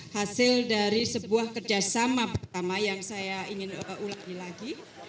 hasil dari sebuah kerjasama pertama yang saya ingin ulangi lagi